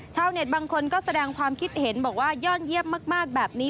ชาวเน็ตบางคนก็แสดงความคิดเห็นบอกว่ายอดเยี่ยมมากแบบนี้